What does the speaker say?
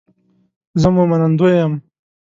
زه مو منندوی یم